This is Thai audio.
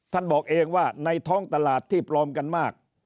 บอกเองว่าในท้องตลาดที่ปลอมกันมาก